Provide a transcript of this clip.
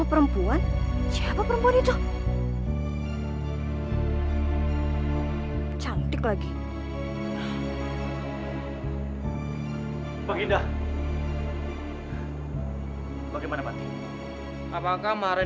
ada hulu balang nanti kita ketahuan